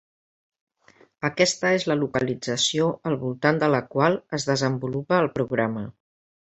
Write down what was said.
Aquesta és la localització al voltant de la qual es desenvolupa el programa.